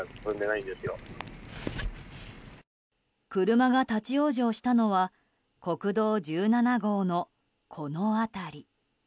車が立ち往生したのは国道１７号の、この辺り。